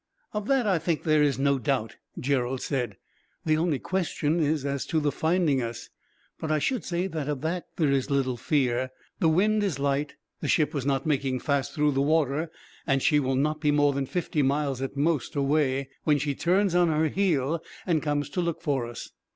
"Of that I think there is no doubt," Gerald said; "the only question is as to the finding us, but I should say that of that there is little fear; the wind is light, the ship was not making fast through the water, and will not be more than fifty miles, at most, away, when she turns on her heel and comes to look for us.